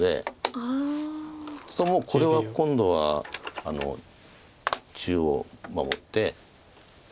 そうするともうこれは今度は中央守って。